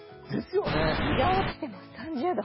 日が落ちても３０度。